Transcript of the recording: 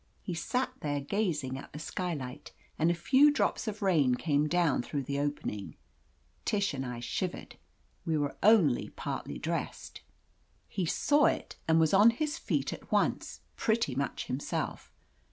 He sat there gazing at the skylight, and a few drops of rain came down through the opening. Tish and I shivered. We were only partly dressed. He saw it and was on his feet at once, pretty much himself.